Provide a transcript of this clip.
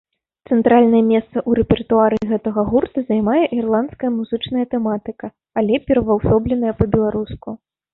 Цэнтральнае месца ў рэпертуары гэтага гурта займае ірландская музычная тэматыка, але пераўвасобленая па-беларуску.